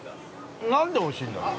なんでおいしいんだろう。